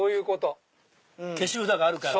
消し札があるから。